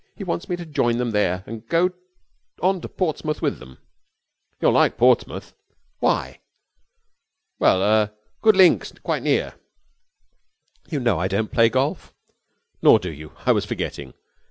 He wants me to join them there and go on to Portsmouth with them.' 'You'll like Portsmouth.' 'Why?' 'Well er good links quite near.' 'You know I don't play golf.' 'Nor do you. I was forgetting.